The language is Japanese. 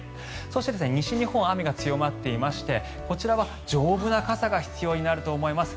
そして西日本雨が強まっていましてこちらは丈夫な傘が必要になると思います。